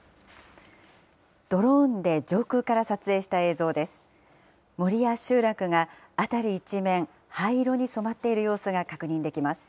ドローンで上空から撮影した映像です。